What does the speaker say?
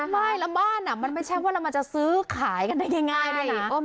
ไม่แล้วบ้านมันไม่ใช่ว่าเรามันจะซื้อขายกันได้ง่ายด้วยนะ